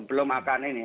belum akan ini